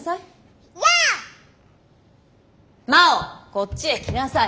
こっちへ来なさい。